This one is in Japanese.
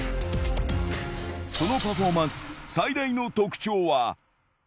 そのパフォーマンス最大の特徴は。